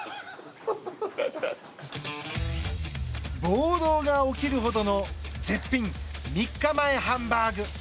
暴動が起きるほどの絶品３日前ハンバーグ。